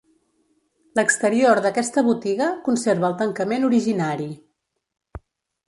L'exterior d'aquesta botiga conserva el tancament originari.